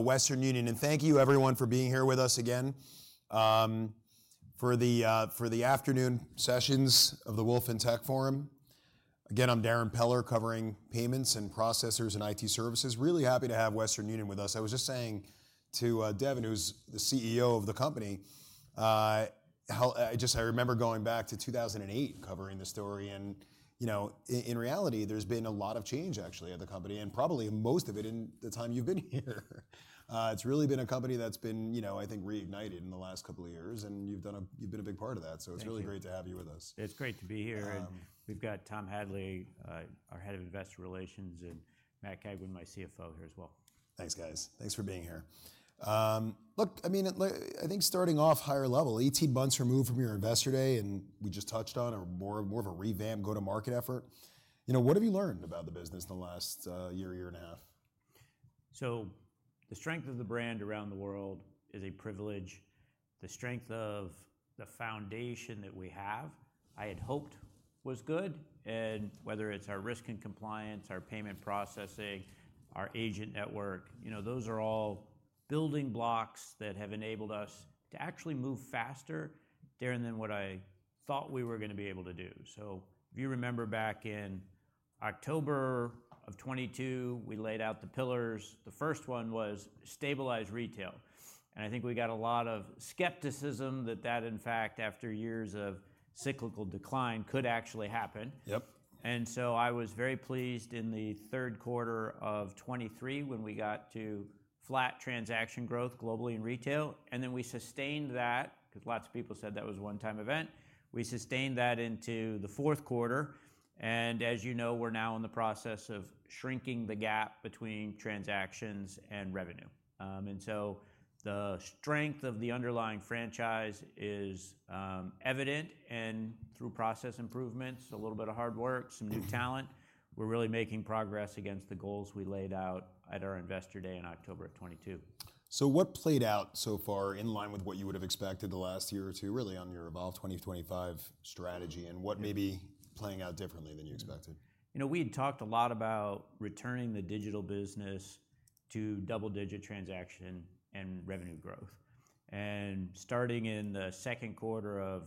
Western Union, and thank you everyone for being here with us again, for the afternoon sessions of the Wolfe FinTech Forum. Again, I'm Darren Peller, covering payments and processors and IT services. Really happy to have Western Union with us. I was just saying to Devin, who's the CEO of the company, how I just, I remember going back to 2008 covering the story, and, you know, in reality, there's been a lot of change, actually, at the company, and probably most of it in the time you've been here. It's really been a company that's been, you know, I think, reignited in the last couple of years, and you've been a big part of that. Thank you. It's really great to have you with us. It's great to be here- Um- -and we've got Tom Hadley, our head of investor relations, and Matt Cagwin, my CFO, here as well. Thanks, guys. Thanks for being here. Look, I mean, I think starting off higher level, 18 months removed from your Investor Day, and we just touched on a more, more of a revamp go-to-market effort. You know, what have you learned about the business in the last year, year and a half? So the strength of the brand around the world is a privilege. The strength of the foundation that we have, I had hoped was good, and whether it's our risk and compliance, our payment processing, our agent network, you know, those are all building blocks that have enabled us to actually move faster, Darren, than what I thought we were gonna be able to do. So if you remember, back in October 2022, we laid out the pillars. The first one was stabilize retail, and I think we got a lot of skepticism that that, in fact, after years of cyclical decline, could actually happen. Yep. And so I was very pleased in the third quarter of 2023 when we got to flat transaction growth globally in retail, and then we sustained that, 'cause lots of people said that was a one-time event. We sustained that into the fourth quarter, and as you know, we're now in the process of shrinking the gap between transactions and revenue. And so the strength of the underlying franchise is evident, and through process improvements, a little bit of hard work, some new talent, we're really making progress against the goals we laid out at our Investor Day in October of 2022. So what played out so far in line with what you would've expected the last year or two, really, on your Evolve 2025 strategy? Mm-hmm. What may be playing out differently than you expected? You know, we'd talked a lot about returning the digital business to double-digit transaction and revenue growth. And starting in the second quarter of...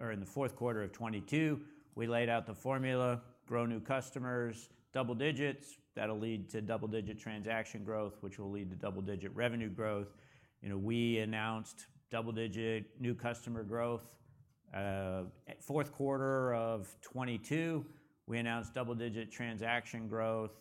or in the fourth quarter of 2022, we laid out the formula: grow new customers, double digits, that'll lead to double-digit transaction growth, which will lead to double-digit revenue growth. You know, we announced double-digit new customer growth at fourth quarter of 2022. We announced double-digit transaction growth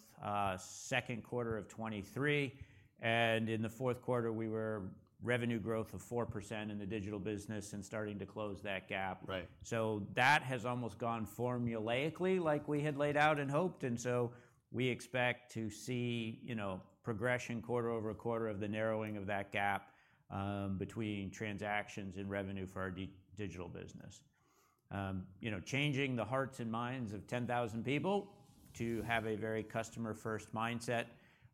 second quarter of 2023, and in the fourth quarter, we were revenue growth of 4% in the digital business and starting to close that gap. Right. So that has almost gone formulaically like we had laid out and hoped, and so we expect to see, you know, progression quarter over quarter of the narrowing of that gap between transactions and revenue for our digital business. You know, changing the hearts and minds of 10,000 people to have a very customer-first mindset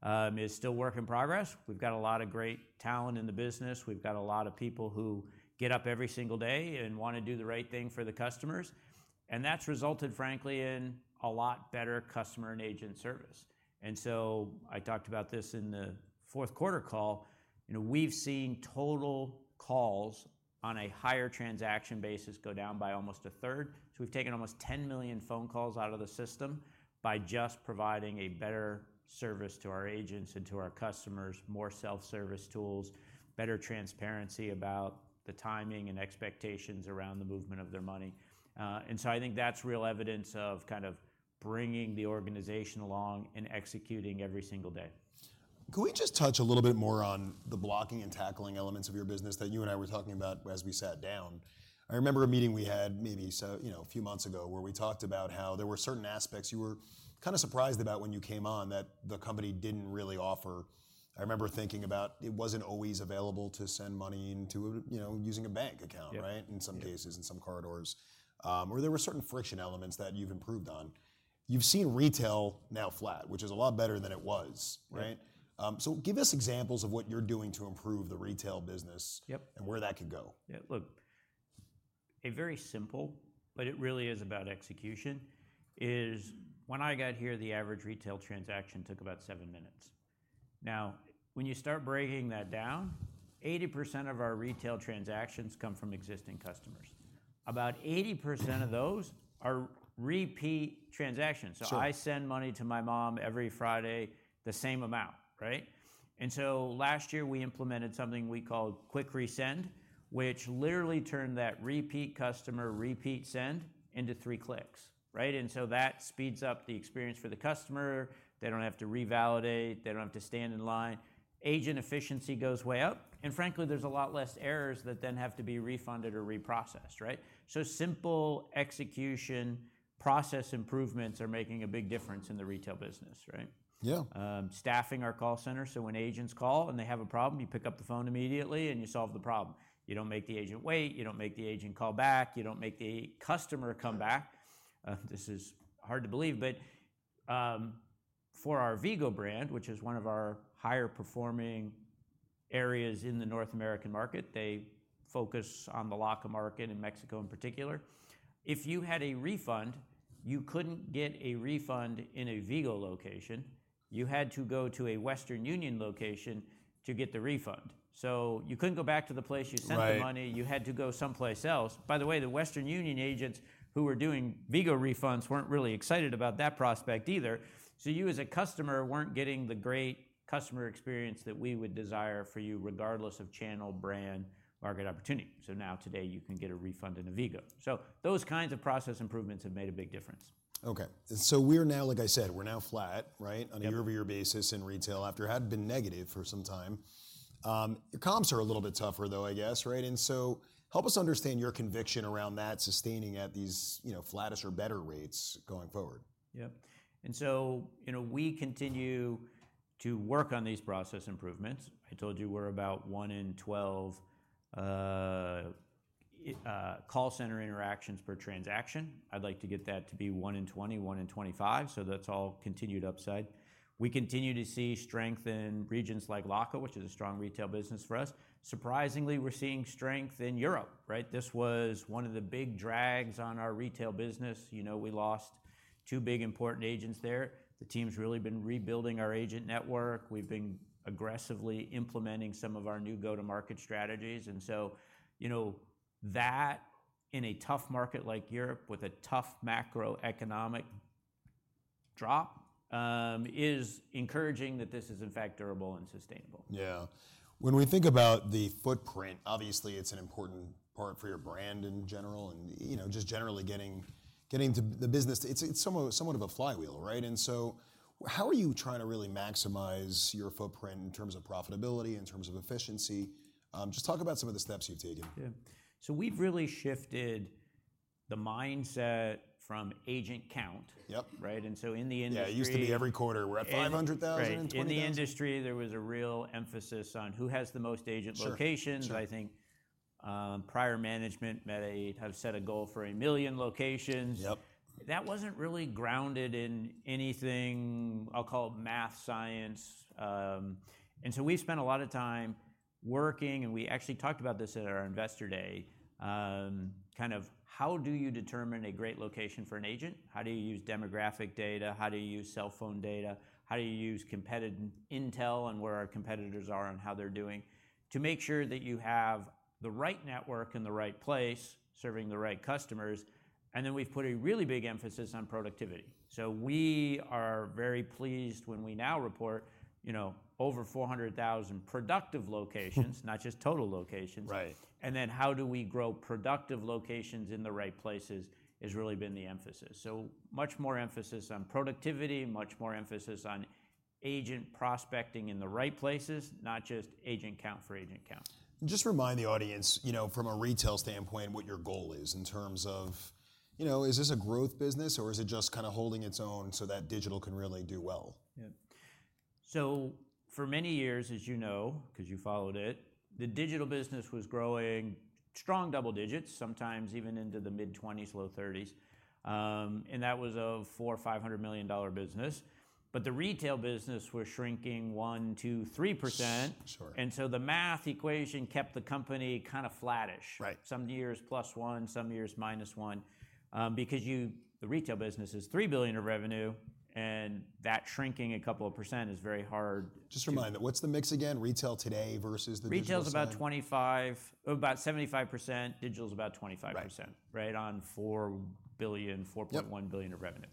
is still a work in progress. We've got a lot of great talent in the business. We've got a lot of people who get up every single day and want to do the right thing for the customers, and that's resulted, frankly, in a lot better customer and agent service. And so I talked about this in the fourth quarter call, you know, we've seen total calls on a higher transaction basis go down by almost a third. So we've taken almost 10 million phone calls out of the system by just providing a better service to our agents and to our customers, more self-service tools, better transparency about the timing and expectations around the movement of their money. And so I think that's real evidence of kind of bringing the organization along and executing every single day. Can we just touch a little bit more on the blocking and tackling elements of your business that you and I were talking about as we sat down? I remember a meeting we had, maybe so, you know, a few months ago, where we talked about how there were certain aspects you were kinda surprised about when you came on, that the company didn't really offer. I remember thinking about it wasn't always available to send money into, you know, using a bank account. Yep. Right? Yep. In some cases, in some corridors, or there were certain friction elements that you've improved on. You've seen retail now flat, which is a lot better than it was, right? Yep. Give us examples of what you're doing to improve the retail business? Yep And where that could go. Yeah, look, a very simple, but it really is about execution, is when I got here, the average retail transaction took about 7 minutes. Now, when you start breaking that down, 80% of our retail transactions come from existing customers. About 80% of those are repeat transactions. Sure. So I send money to my mom every Friday, the same amount, right? And so last year, we implemented something we call Quick Resend, which literally turned that repeat customer, repeat send into three clicks, right? And so that speeds up the experience for the customer. They don't have to revalidate. They don't have to stand in line. Agent efficiency goes way up, and frankly, there's a lot less errors that then have to be refunded or reprocessed, right? So simple execution, process improvements are making a big difference in the retail business, right? Yeah. Staffing our call center, so when agents call, and they have a problem, you pick up the phone immediately, and you solve the problem. You don't make the agent wait. You don't make the agent call back. You don't make the customer come back. This is hard to believe, but for our Vigo brand, which is one of our higher-performing areas in the North American market. They focus on the LACA market in Mexico in particular. If you had a refund, you couldn't get a refund in a Vigo location, you had to go to a Western Union location to get the refund. So you couldn't go back to the place you sent the money- Right. You had to go someplace else. By the way, the Western Union agents who were doing Vigo refunds weren't really excited about that prospect either. So you, as a customer, weren't getting the great customer experience that we would desire for you, regardless of channel, brand, market opportunity, so now today you can get a refund in a Vigo. So those kinds of process improvements have made a big difference. Okay. And so we're now, like I said, we're now flat, right? Yep. On a year-over-year basis in retail, after having been negative for some time. Your comps are a little bit tougher though, I guess, right? And so help us understand your conviction around that sustaining at these, you know, flattish or better rates going forward. Yep. And so, you know, we continue to work on these process improvements. I told you we're about 1 in 12 call center interactions per transaction. I'd like to get that to be 1 in 20, 1 in 25, so that's all continued upside. We continue to see strength in regions like LACA, which is a strong retail business for us. Surprisingly, we're seeing strength in Europe, right? This was one of the big drags on our retail business. You know, we lost 2 big, important agents there. The team's really been rebuilding our agent network. We've been aggressively implementing some of our new go-to-market strategies, and so, you know, that, in a tough market like Europe with a tough macroeconomic drop, is encouraging that this is, in fact, durable and sustainable. Yeah. When we think about the footprint, obviously, it's an important part for your brand in general and, you know, just generally getting to the business. It's somewhat of a flywheel, right? And so how are you trying to really maximize your footprint in terms of profitability, in terms of efficiency? Just talk about some of the steps you've taken. Yeah. So we've really shifted the mindset from agent count. Yep. Right? And so in the industry- Yeah, it used to be every quarter, we're at 500,000 and 20,000. Right. In the industry, there was a real emphasis on who has the most agent locations. Sure, sure. I think, prior management had set a goal for a million locations. Yep. That wasn't really grounded in anything, I'll call it math, science. And so we spent a lot of time working, and we actually talked about this at our Investor Day, kind of how do you determine a great location for an agent? How do you use demographic data? How do you use cell phone data? How do you use competitive intel on where our competitors are and how they're doing, to make sure that you have the right network in the right place, serving the right customers? And then we've put a really big emphasis on productivity. So we are very pleased when we now report, you know, over 400,000 productive locations—not just total locations. Right. And then, how do we grow productive locations in the right places, has really been the emphasis. So much more emphasis on productivity, much more emphasis on agent prospecting in the right places, not just agent count for agent count. Just remind the audience, you know, from a retail standpoint, what your goal is in terms of, you know, is this a growth business, or is it just kind of holding its own so that digital can really do well? Yeah. So for many years, as you know, 'cause you followed it, the digital business was growing strong double digits, sometimes even into the mid-20s, low 30s. That was a $400-$500 million business, but the retail business was shrinking 1%-3%. S- sorry. The math equation kept the company kind of flattish. Right. Some years plus one, some years minus one, because you the retail business is $3 billion of revenue, and that shrinking a couple of % is very hard to- Just remind me, what's the mix again? Retail today versus the digital side. Retail's about 25... About 75%, digital's about 25%. Right. Right, on $4 billion- Yep $4.1 billion of revenue.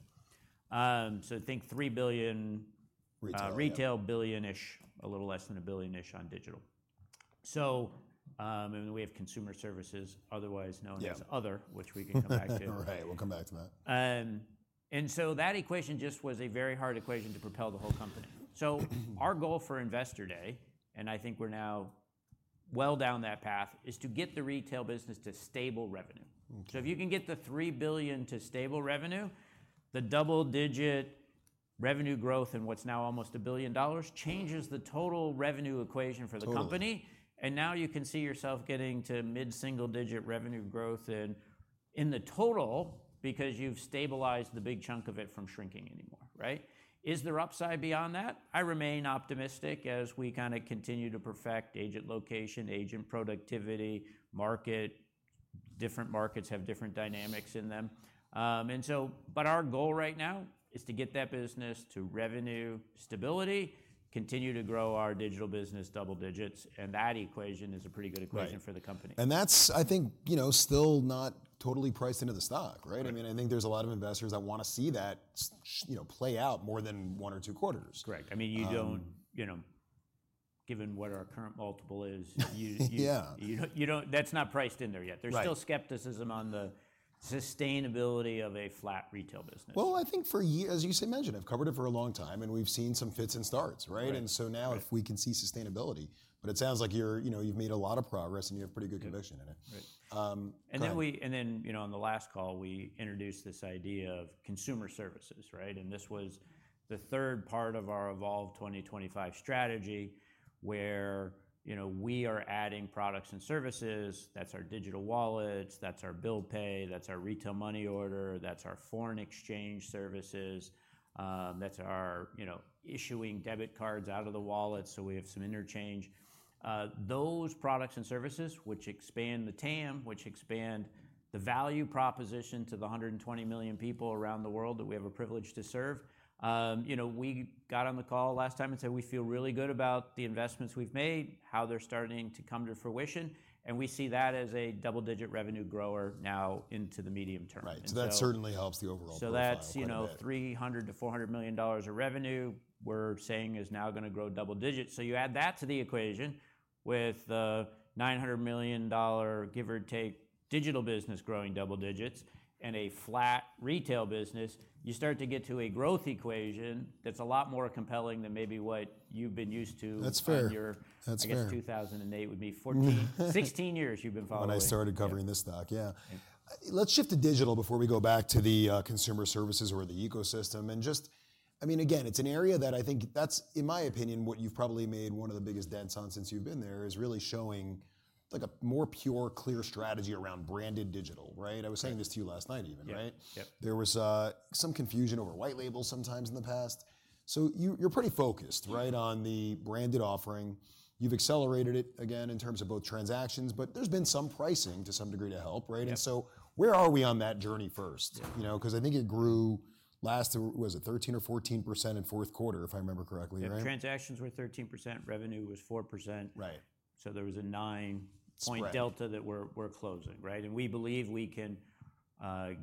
So think $3 billion- Retail, yeah retail, $1 billion-ish, a little less than a $1 billion-ish on digital. So, and we have consumer services, otherwise known as- Yeah other, which we can come back to. Right, we'll come back to that. And so that equation just was a very hard equation to propel the whole company. So our goal for Investor Day, and I think we're now well down that path, is to get the retail business to stable revenue. Okay. If you can get the $3 billion to stable revenue, the double-digit revenue growth in what's now almost $1 billion, changes the total revenue equation for the company. Totally. And now you can see yourself getting to mid-single-digit revenue growth in, in the total, because you've stabilized the big chunk of it from shrinking anymore, right? Is there upside beyond that? I remain optimistic as we kind of continue to perfect agent location, agent productivity, market. Different markets have different dynamics in them. And so, but our goal right now is to get that business to revenue stability, continue to grow our digital business double digits, and that equation is a pretty good equation- Right for the company. That's, I think, you know, still not totally priced into the stock, right? Right. I mean, I think there's a lot of investors that wanna see that, you know, play out more than one or two quarters. Correct. Um- I mean, you don't, you know, given what our current multiple is, you... Yeah you don't. That's not priced in there yet. Right. There's still skepticism on the sustainability of a flat retail business? Well, I think, as you mentioned, I've covered it for a long time, and we've seen some fits and starts, right? Right. And so now if we can see sustainability, but it sounds like you're, you know, you've made a lot of progress, and you have pretty good conviction in it. Right. Um, and- And then, you know, on the last call, we introduced this idea of Consumer Services, right? And this was the third part of our Evolve 2025 strategy, where, you know, we are adding products and services. That's our digital wallets, that's our bill pay, that's our retail money order, that's our foreign exchange services, that's our, you know, issuing debit cards out of the wallet, so we have some interchange. Those products and services, which expand the TAM, which expand the value proposition to the 120 million people around the world that we have a privilege to serve. You know, we got on the call last time and said we feel really good about the investments we've made, how they're starting to come to fruition, and we see that as a double-digit revenue grower now into the medium term. Right. And so- So that certainly helps the overall profile quite a bit. So that's, you know, $300 million-$400 million of revenue we're saying is now gonna grow double digits. So you add that to the equation with nine hundred million dollar, give or take, digital business growing double digits and a flat retail business, you start to get to a growth equation that's a lot more compelling than maybe what you've been used to- That's fair... on your- That's fair. I guess 2008 would be 14-16 years you've been following. When I started covering this stock, yeah. Yeah. Let's shift to digital before we go back to the consumer services or the ecosystem. Just, I mean, again, it's an area that I think that's, in my opinion, what you've probably made one of the biggest dents on since you've been there, is really showing, like, a more pure, clear strategy around branded digital, right? Right. I was saying this to you last night even, right? Yeah. Yep. There was some confusion over white label sometimes in the past. So you, you're pretty focused- Yeah right, on the branded offering. You've accelerated it again in terms of both transactions, but there's been some pricing to some degree to help, right? Yeah. And so, where are we on that journey first? Yeah. You know, 'cause I think it grew last, was it 13% or 14% in fourth quarter, if I remember correctly, right? Yeah, transactions were 13%, revenue was 4%. Right. So there was a 9- Spread point delta that we're closing, right? And we believe we can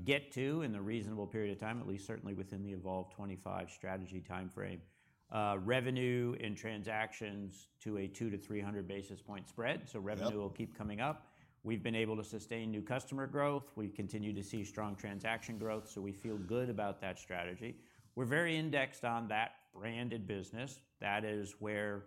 get to, in a reasonable period of time, at least certainly within the Evolve '25 strategy timeframe, revenue and transactions to a 200-300 basis points spread. Yep. Revenue will keep coming up. We've been able to sustain new customer growth. We continue to see strong transaction growth, so we feel good about that strategy. We're very indexed on that branded business. That is where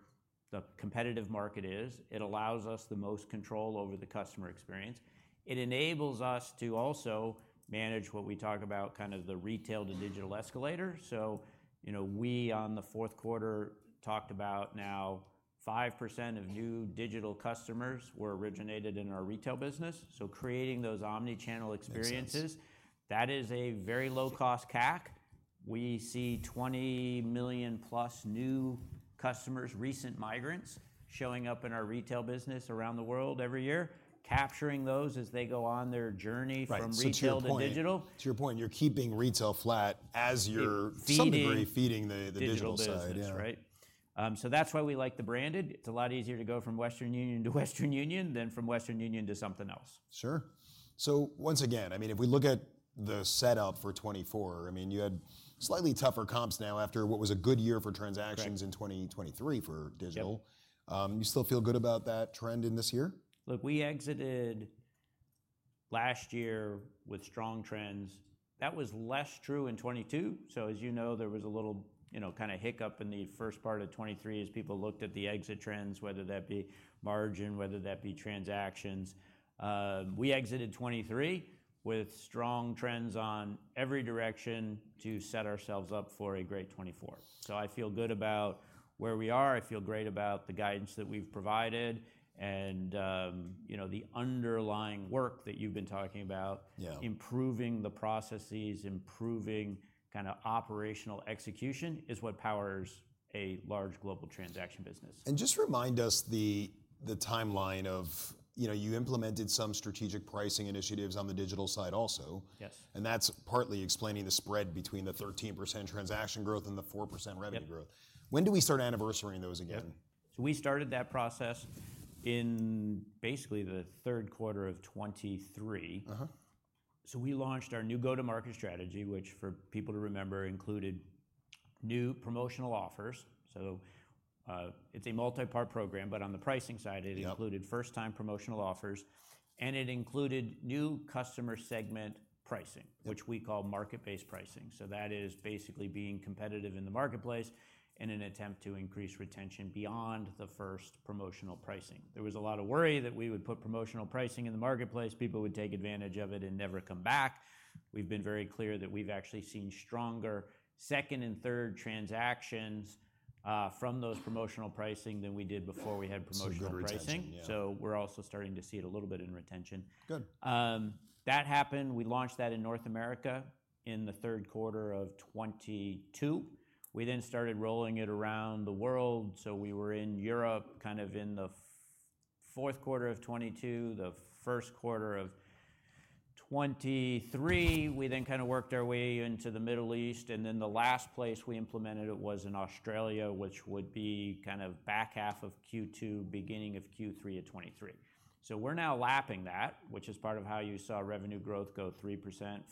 the competitive market is. It allows us the most control over the customer experience. It enables us to also manage what we talk about, kind of the retail to digital escalator. So, you know, we, on the fourth quarter, talked about now 5% of new digital customers were originated in our retail business, so creating those omni-channel experiences. Makes sense. That is a very low-cost CAC. We see 20 million-plus new customers, recent migrants, showing up in our retail business around the world every year, capturing those as they go on their journey- Right from retail to digital. So to your point, to your point, you're keeping retail flat as you're- Feeding- To some degree, feeding the digital side digital business. Yeah. Right. So that's why we like the branded. It's a lot easier to go from Western Union to Western Union than from Western Union to something else. Sure. So once again, I mean, if we look at the setup for 2024, I mean, you had slightly tougher comps now after what was a good year for transactions- Right In 2023 for digital. Yep. You still feel good about that trend in this year? Look, we exited last year with strong trends. That was less true in 2022. So as you know, there was a little, you know, kind of hiccup in the first part of 2023 as people looked at the exit trends, whether that be margin, whether that be transactions. We exited 2023 with strong trends on every direction to set ourselves up for a great 2024. So I feel good about where we are. I feel great about the guidance that we've provided and, you know, the underlying work that you've been talking about. Yeah. Improving the processes, improving kind of operational execution is what powers a large global transaction business. Just remind us the timeline of, you know, you implemented some strategic pricing initiatives on the digital side also? Yes. That's partly explaining the spread between the 13% transaction growth and the 4%- Yep revenue growth. When do we start anniversarying those again? Yep. So we started that process in basically the third quarter of 2023. Uh-huh. So we launched our new go-to-market strategy, which, for people to remember, included new promotional offers. So, it's a multi-part program, but on the pricing side- Yep it included first-time promotional offers, and it included new customer segment pricing- Yep which we call market-based pricing. So that is basically being competitive in the marketplace in an attempt to increase retention beyond the first promotional pricing. There was a lot of worry that we would put promotional pricing in the marketplace, people would take advantage of it, and never come back. We've been very clear that we've actually seen stronger second and third transactions from those promotional pricing than we did before we had promotional pricing. Some good retention, yeah. So we're also starting to see it a little bit in retention. Good. That happened, we launched that in North America in the third quarter of 2022. We then started rolling it around the world, so we were in Europe, kind of in the fourth quarter of 2022, the first quarter of 2023. We then kind of worked our way into the Middle East, and then the last place we implemented it was in Australia, which would be kind of back half of Q2, beginning of Q3 of 2023. So we're now lapping that, which is part of how you saw revenue growth go 3%,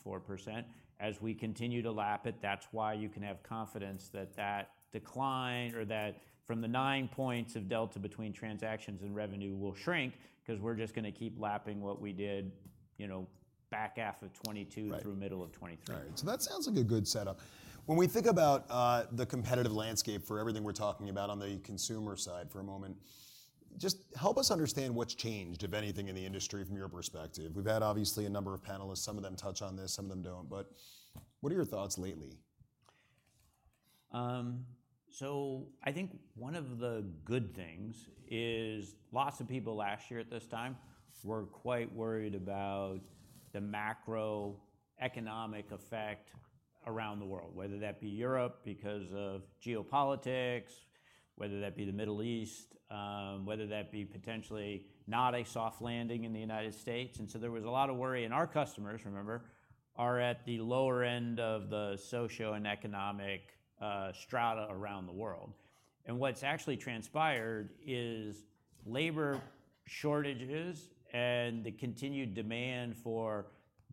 4%. As we continue to lap it, that's why you can have confidence that that decline or that from the 9 points of delta between transactions and revenue will shrink, 'cause we're just gonna keep lapping what we did, you know, back half of 2022- Right tthrough middle of 2023. Right. So that sounds like a good setup. When we think about the competitive landscape for everything we're talking about on the consumer side for a moment, just help us understand what's changed, if anything, in the industry from your perspective. We've had, obviously, a number of panelists, some of them touch on this, some of them don't, but what are your thoughts lately? So I think one of the good things is lots of people last year at this time were quite worried about the macroeconomic effect around the world, whether that be Europe because of geopolitics, whether that be the Middle East, whether that be potentially not a soft landing in the United States. So there was a lot of worry, and our customers, remember, are at the lower end of the socio and economic strata around the world. What's actually transpired is labor shortages and the continued demand for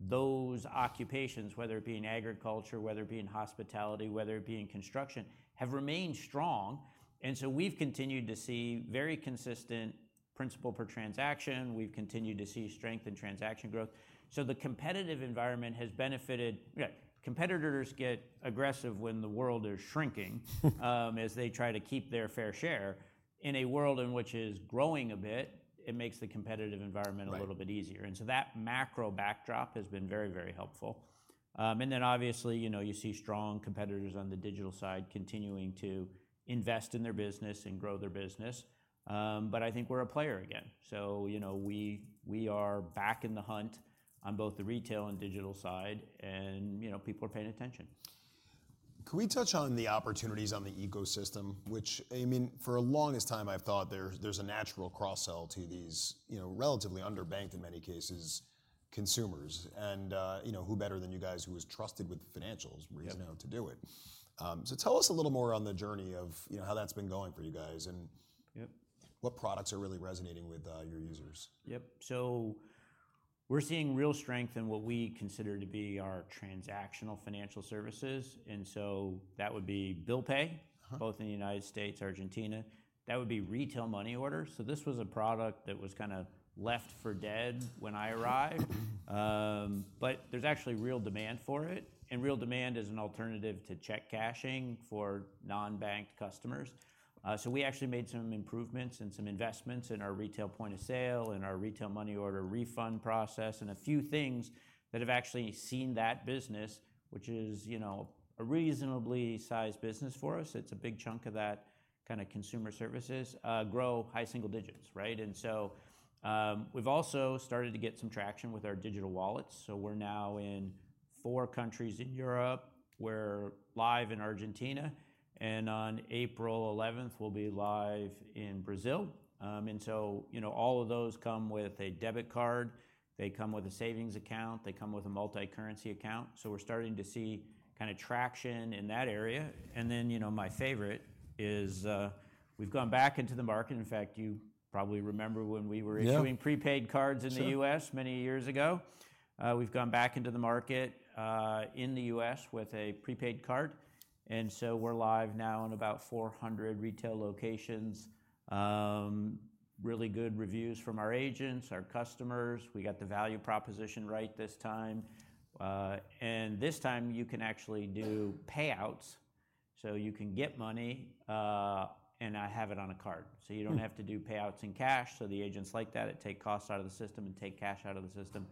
those occupations, whether it be in agriculture, whether it be in hospitality, whether it be in construction, have remained strong, and so we've continued to see very consistent principal per transaction. We've continued to see strength in transaction growth. So the competitive environment has benefited... Yeah, competitors get aggressive when the world is shrinking, as they try to keep their fair share. In a world in which is growing a bit, it makes the competitive environment- Right a little bit easier, and so that macro backdrop has been very, very helpful. And then obviously, you know, you see strong competitors on the digital side continuing to invest in their business and grow their business. But I think we're a player again. So, you know, we, we are back in the hunt on both the retail and digital side, and, you know, people are paying attention. Can we touch on the opportunities on the ecosystem, which, I mean, for the longest time, I've thought there's a natural cross-sell to these, you know, relatively underbanked, in many cases, consumers. And, you know, who better than you guys, who is trusted with financials- Yep reason to do it? So tell us a little more on the journey of, you know, how that's been going for you guys, and- Yep what products are really resonating with, your users? Yep, so we're seeing real strength in what we consider to be our transactional financial services, and so that would be bill pay- Uh-huh both in the United States, Argentina. That would be retail money orders, so this was a product that was kind of left for dead when I arrived. Mm-hmm. But there's actually real demand for it, and real demand as an alternative to check cashing for non-banked customers. So we actually made some improvements and some investments in our retail point of sale, in our retail money order refund process, and a few things that have actually seen that business, which is, you know, a reasonably sized business for us, it's a big chunk of that kind of Consumer Services, grow high single digits, right? So we've also started to get some traction with our digital wallets, so we're now in 4 countries in Europe. We're live in Argentina, and on April 11th, we'll be live in Brazil. So, you know, all of those come with a debit card. They come with a savings account. They come with a multicurrency account, so we're starting to see kind of traction in that area. And then, you know, my favorite is, we've gone back into the market, and in fact, you probably remember when we were- Yeah issuing prepaid cards in the U.S.- Sure many years ago. We've gone back into the market in the U.S. with a prepaid card, and so we're live now in about 400 retail locations. Really good reviews from our agents, our customers. We got the value proposition right this time. And this time you can actually do payouts, so you can get money and not have it on a card. Hmm. So you don't have to do payouts in cash, so the agents like that. It take costs out of the system and take cash out of the system.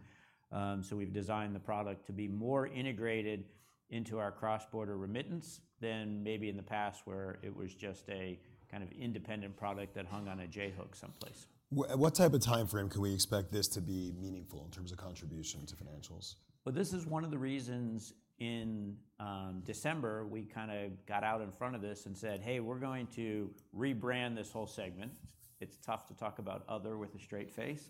So we've designed the product to be more integrated into our cross-border remittance than maybe in the past, where it was just a kind of independent product that hung on a J-hook someplace. What type of timeframe can we expect this to be meaningful in terms of contribution to financials? Well, this is one of the reasons in December, we kind of got out in front of this and said, "Hey, we're going to rebrand this whole segment." It's tough to talk about other with a straight face.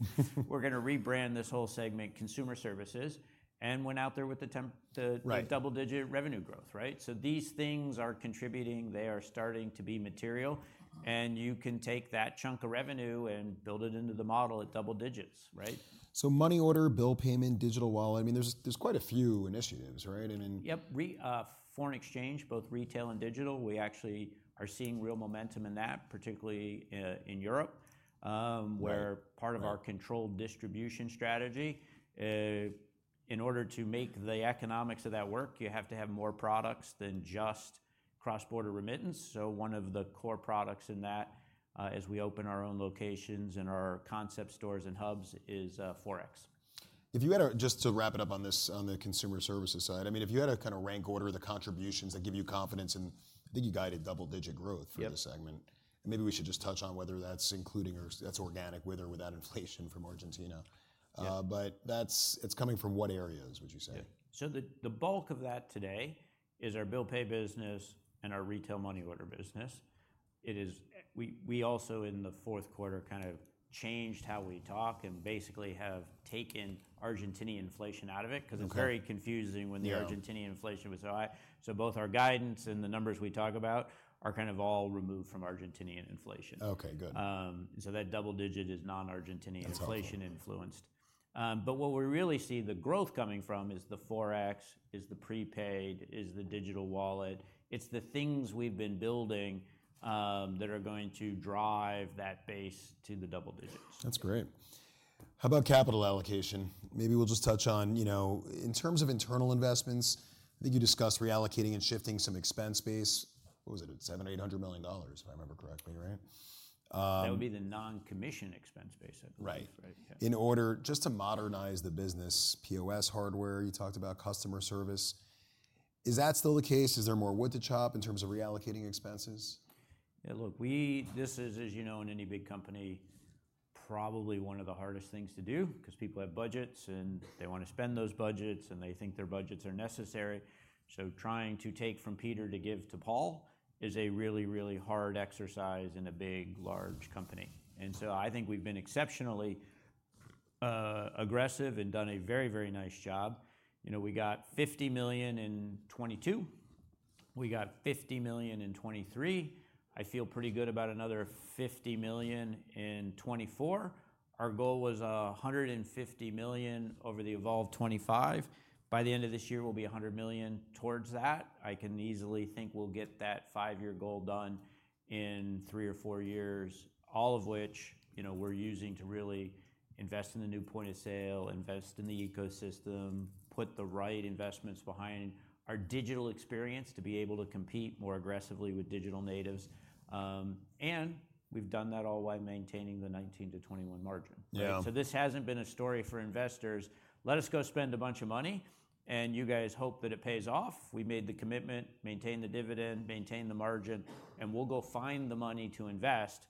We're gonna rebrand this whole segment Consumer Services and went out there with the temp- Right the double-digit revenue growth, right? So these things are contributing. They are starting to be material. Uh-huh. You can take that chunk of revenue and build it into the model at double digits, right? So money order, bill payment, digital wallet, I mean, there's quite a few initiatives, right? I mean... Yep, foreign exchange, both retail and digital, we actually are seeing real momentum in that, particularly in Europe. Right where part of our- Yeah controlled distribution strategy, in order to make the economics of that work, you have to have more products than just cross-border remittance. So one of the core products in that, as we open our own locations and our concept stores and hubs, is, Forex. If you had to Just to wrap it up on this, on the Consumer Services side, I mean, if you had to kind of rank order the contributions that give you confidence in, I think you guided double-digit growth- Yep... for this segment. Maybe we should just touch on whether that's including or that's organic, with or without inflation from Argentina. Yeah. But it's coming from what areas, would you say? Yeah. So the bulk of that today is our bill pay business and our retail money order business. We also, in the fourth quarter, kind of changed how we talk and basically have taken Argentine inflation out of it- Okay 'cause it's very confusing when the- Yeah Argentinian inflation was so high. So both our guidance and the numbers we talk about are kind of all removed from Argentinian inflation. Okay, good. So that double-digit is non-Argentinian- That's helpful inflation influenced. But what we really see the growth coming from is the Forex, is the prepaid, is the digital wallet. It's the things we've been building, that are going to drive that base to the double digits. That's great. How about capital allocation? Maybe we'll just touch on, you know, in terms of internal investments, I think you discussed reallocating and shifting some expense base. What was it, at $700 million-$800 million, if I remember correctly, right? That would be the non-commission expense base, I believe. Right. Right, yeah. In order just to modernize the business, POS hardware, you talked about customer service. Is that still the case? Is there more wood to chop in terms of reallocating expenses? Yeah, look, we—this is, as you know, in any big company, probably one of the hardest things to do, 'cause people have budgets, and they want to spend those budgets, and they think their budgets are necessary. So trying to take from Peter to give to Paul is a really, really hard exercise in a big, large company. And so I think we've been exceptionally aggressive and done a very, very nice job. You know, we got $50 million in 2022. We got $50 million in 2023. I feel pretty good about another $50 million in 2024. Our goal was hundred and fifty million over the Evolve 2025. By the end of this year, we'll be a hundred million towards that. I can easily think we'll get that five-year goal done in three or four years, all of which, you know, we're using to really invest in the new point-of-sale, invest in the ecosystem, put the right investments behind our digital experience to be able to compete more aggressively with digital natives. And we've done that all while maintaining the 19%-21% margin. Yeah. This hasn't been a story for investors. Let us go spend a bunch of money, and you guys hope that it pays off. We made the commitment, maintain the dividend, maintain the margin, and we'll go find the money to invest,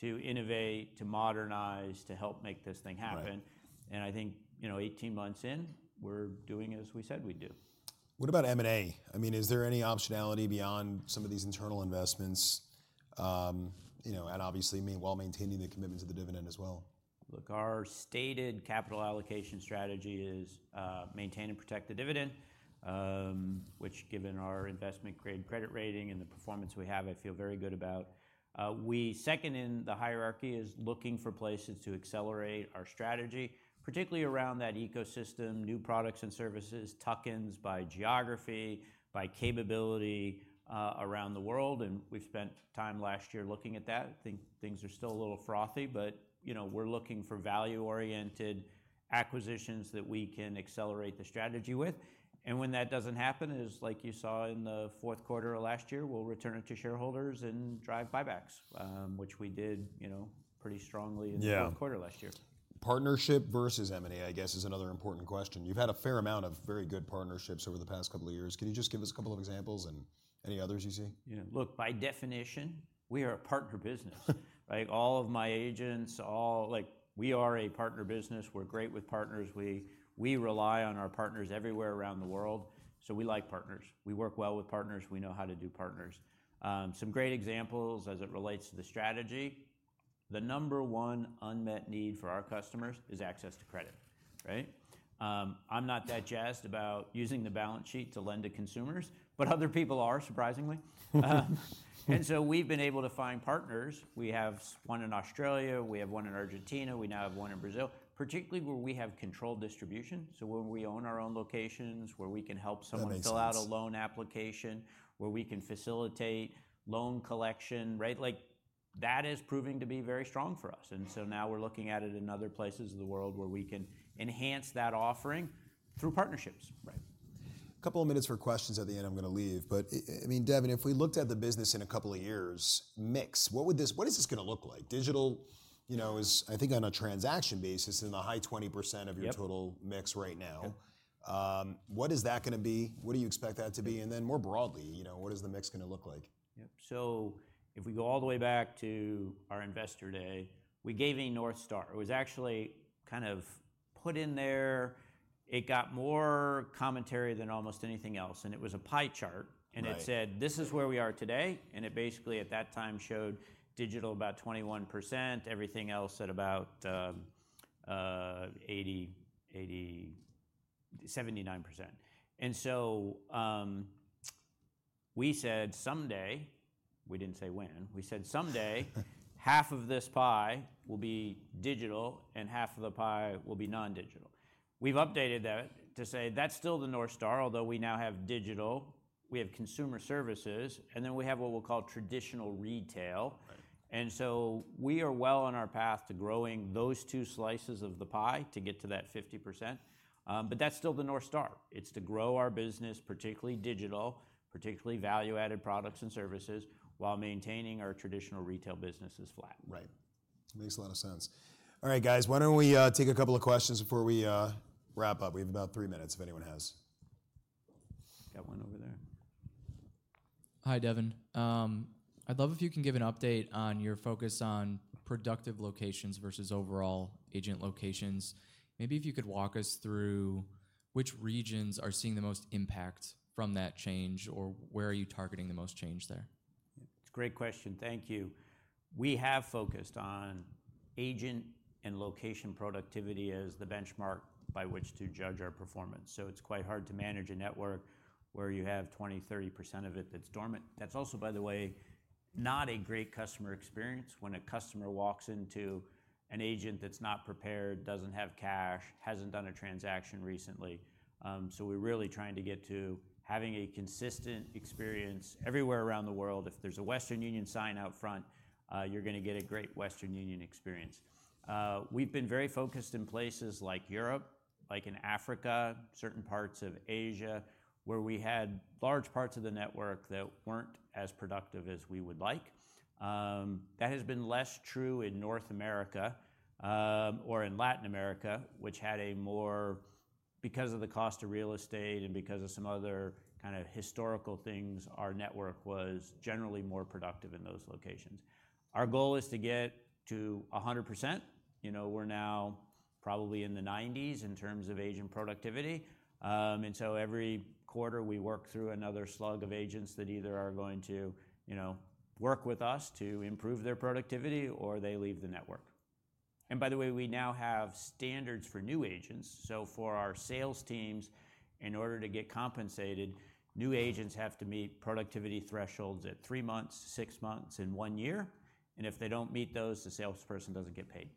to innovate, to modernize, to help make this thing happen. Right. I think, you know, 18 months in, we're doing as we said we'd do. What about M&A? I mean, is there any optionality beyond some of these internal investments? You know, and obviously, while maintaining the commitment to the dividend as well. Look, our stated capital allocation strategy is, maintain and protect the dividend, which given our investment-grade credit rating and the performance we have, I feel very good about. Second in the hierarchy is looking for places to accelerate our strategy, particularly around that ecosystem, new products and services, tuck-ins by geography, by capability, around the world, and we've spent time last year looking at that. Think things are still a little frothy, but, you know, we're looking for value-oriented acquisitions that we can accelerate the strategy with. And when that doesn't happen, it is like you saw in the fourth quarter of last year, we'll return it to shareholders and drive buybacks, which we did, you know, pretty strongly- Yeah in the fourth quarter last year. Partnership versus M&A, I guess, is another important question. You've had a fair amount of very good partnerships over the past couple of years. Can you just give us a couple of examples and any others you see? Yeah. Look, by definition, we are a partner business. Right? All of my agents, all... Like, we are a partner business. We're great with partners. We, we rely on our partners everywhere around the world, so we like partners. We work well with partners. We know how to do partners. Some great examples as it relates to the strategy, the number one unmet need for our customers is access to credit, right? I'm not that jazzed about using the balance sheet to lend to consumers, but other people are, surprisingly. And so we've been able to find partners. We have one in Australia, we have one in Argentina, we now have one in Brazil, particularly where we have controlled distribution. So when we own our own locations, where we can help someone- That makes sense. fill out a loan application, where we can facilitate loan collection, right? Like, that is proving to be very strong for us. And so now we're looking at it in other places in the world where we can enhance that offering through partnerships. Right. A couple of minutes for questions at the end, I'm gonna leave. But I mean, Devin, if we looked at the business in a couple of years, mix, what would this—what is this gonna look like? Digital, you know, is, I think, on a transaction basis, in the high 20% of your- Yep total mix right now. Yep. What is that gonna be? What do you expect that to be? And then more broadly, you know, what is the mix gonna look like? Yep. So if we go all the way back to our investor day, we gave a North Star. It was actually kind of put in there. It got more commentary than almost anything else, and it was a pie chart. Right. And it said, "This is where we are today," and it basically, at that time, showed digital about 21%, everything else at about, 80, 80... 79%. And so, we said someday, we didn't say when, we said, "Someday, half of this pie will be digital, and half of the pie will be non-digital." We've updated that to say, "That's still the North Star," although we now have digital, we have consumer services, and then we have what we'll call traditional retail. Right. We are well on our path to growing those two slices of the pie to get to that 50%. But that's still the North Star. It's to grow our business, particularly digital, particularly value-added products and services, while maintaining our traditional retail businesses flat. Right. Makes a lot of sense. All right, guys, why don't we take a couple of questions before we wrap up? We have about three minutes if anyone has. Got one over there. Hi, Devin. I'd love if you can give an update on your focus on productive locations versus overall agent locations. Maybe if you could walk us through which regions are seeing the most impact from that change, or where are you targeting the most change there? It's a great question. Thank you. We have focused on agent and location productivity as the benchmark by which to judge our performance. So it's quite hard to manage a network where you have 20%-30% of it that's dormant. That's also, by the way, not a great customer experience when a customer walks into an agent that's not prepared, doesn't have cash, hasn't done a transaction recently. So we're really trying to get to having a consistent experience everywhere around the world. If there's a Western Union sign out front, you're gonna get a great Western Union experience. We've been very focused in places like Europe, like in Africa, certain parts of Asia, where we had large parts of the network that weren't as productive as we would like. That has been less true in North America, or in Latin America, which had a more. Because of the cost of real estate and because of some other kind of historical things, our network was generally more productive in those locations. Our goal is to get to 100%. You know, we're now probably in the 90s in terms of agent productivity, and so every quarter, we work through another slug of agents that either are going to, you know, work with us to improve their productivity or they leave the network. And by the way, we now have standards for new agents, so for our sales teams, in order to get compensated, new agents have to meet productivity thresholds at three months, six months, and one year, and if they don't meet those, the salesperson doesn't get paid.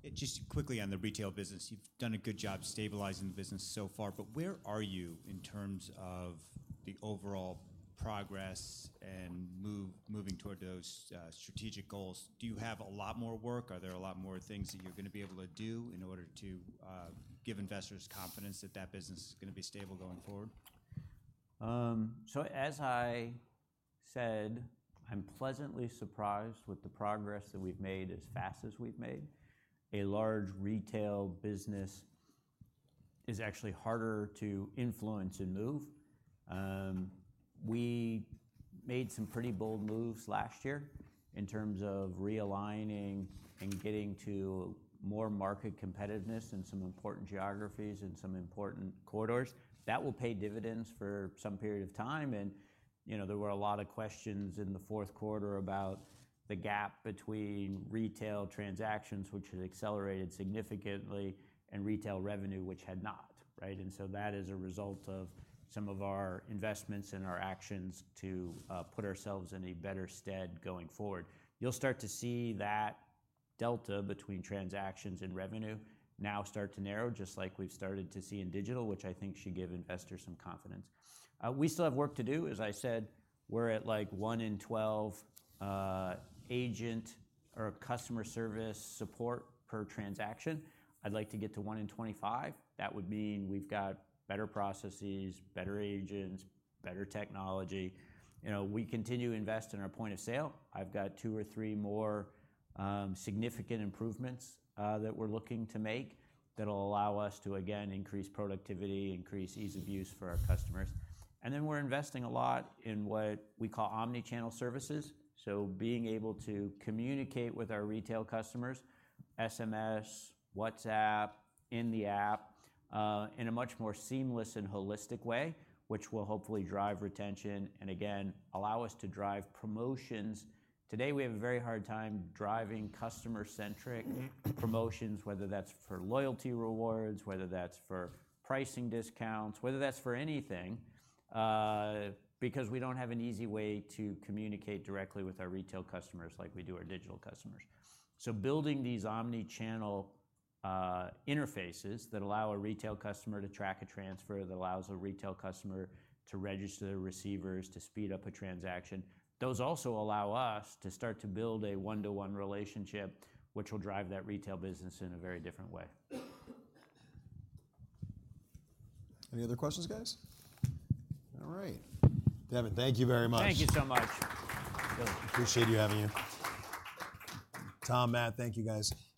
Got one. Go ahead. Thanks. Just quickly on the retail business, you've done a good job stabilizing the business so far, but where are you in terms of the overall progress and moving toward those strategic goals? Do you have a lot more work? Are there a lot more things that you're gonna be able to do in order to give investors confidence that that business is gonna be stable going forward? So as I said, I'm pleasantly surprised with the progress that we've made as fast as we've made. A large retail business is actually harder to influence and move. We made some pretty bold moves last year in terms of realigning and getting to more market competitiveness in some important geographies and some important corridors. That will pay dividends for some period of time, and, you know, there were a lot of questions in the fourth quarter about the gap between retail transactions, which had accelerated significantly, and retail revenue, which had not, right? And so that is a result of some of our investments and our actions to put ourselves in a better stead going forward. You'll start to see that delta between transactions and revenue now start to narrow, just like we've started to see in digital, which I think should give investors some confidence. We still have work to do. As I said, we're at, like, 1 in 12 agent or customer service support per transaction. I'd like to get to 1 in 25. That would mean we've got better processes, better agents, better technology. You know, we continue to invest in our point of sale. I've got two or three more significant improvements that we're looking to make that'll allow us to, again, increase productivity, increase ease of use for our customers. And then we're investing a lot in what we call Omni-channel services, so being able to communicate with our retail customers, SMS, WhatsApp, in the app, in a much more seamless and holistic way, which will hopefully drive retention and again, allow us to drive promotions. Today we have a very hard time driving customer-centric promotions, whether that's for loyalty rewards, whether that's for pricing discounts, whether that's for anything, because we don't have an easy way to communicate directly with our retail customers like we do our digital customers. So building these omni-channel interfaces that allow a retail customer to track a transfer, that allows a retail customer to register their receivers, to speed up a transaction, those also allow us to start to build a one-to-one relationship, which will drive that retail business in a very different way. Any other questions, guys? All right. Devin, thank you very much. Thank you so much. Appreciate having you. Tom, Matt, thank you, guys.